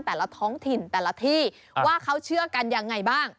แต่ละท้องถิ่นแต่ละที่ว่าเขาเชื่อกันยังไงบ้าง